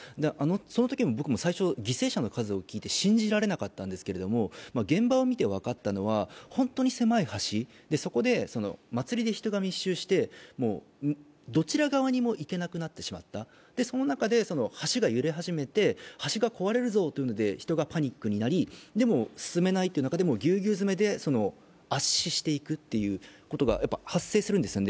そのときも僕も最初、犠牲者の数を聞いて信じられなかったんですけど現場を見て分かったのは本当に狭い橋、そこで祭りで人が密集して、どちら側にも行けなくなってしまった、その中で橋が揺れ始めて橋が壊れるぞと人がパニックになり、でも進めないという中で、ぎゅうぎゅうづめで圧死していくということが発生するんですね。